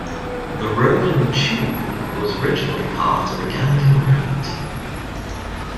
The Roman tune was originally part of the Gallican Rite.